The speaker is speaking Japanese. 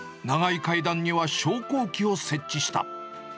長い階段には昇降機を設置した。